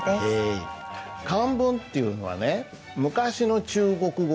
漢文っていうのはね昔の中国語なんですよ。